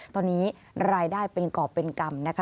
ตอนนี้รายได้เป็นกรอบเป็นกรรมนะคะ